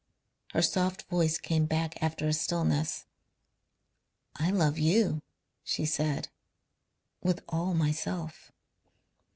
Her soft voice came back after a stillness. "I love you," she said, "with all myself."